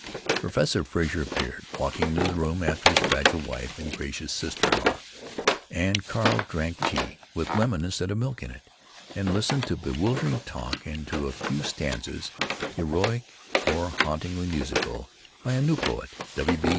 Professor Frazer appeared, walking into the room after his fragile wife and gracious sister in law, and Carl drank tea (with lemon instead of milk in it!) and listened to bewildering talk and to a few stanzas, heroic or hauntingly musical, by a new poet, W.